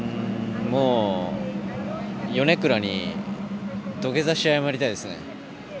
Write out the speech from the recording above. ヨネクラに土下座して謝りたいですね。